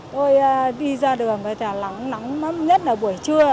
tôi đi ra đường thì là nắng nắng lắm nhất là buổi trưa